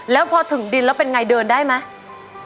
แล้วพอถึงดินแล้วเป็นไงเดินได้ไหม